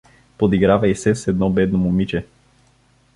— Подигравай се с едно бедно момиче.